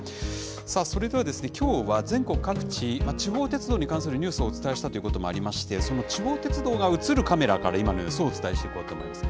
さあ、それではきょうは全国各地、地方鉄道に関するニュースをお伝えしたということもありまして、その地方鉄道が写るカメラから今の様子をお伝えしていこうと思います。